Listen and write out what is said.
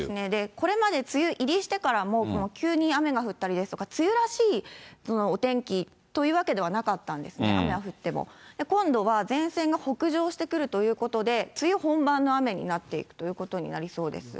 これまで梅雨入りしてからも、急に雨が降ったりですとか、梅雨らしいお天気というわけではなかったんですね、雨が降っても。今度は前線が北上してくるということで、梅雨本番の雨になっていくということになりそうです。